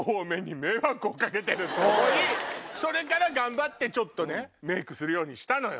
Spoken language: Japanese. それから頑張ってちょっとねメイクするようにしたのよ。